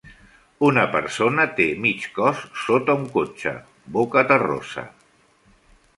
Una persona té mig cos sota un cotxe, bocaterrosa.